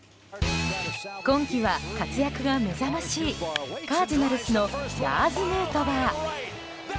今季は活躍が目覚ましいカージナルスのラーズ・ヌートバー。